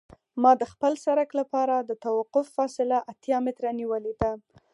ما د خپل سرک لپاره د توقف فاصله اتیا متره نیولې ده